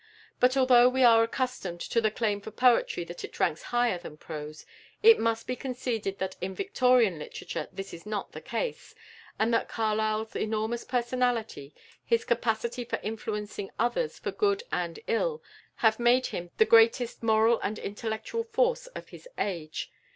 But although we are accustomed to the claim for poetry that it ranks higher than prose, it must be conceded that in Victorian literature this is not the case, and that Carlyle's enormous personality, his capacity for influencing others for good and ill, have made him the greatest moral and intellectual force of his age.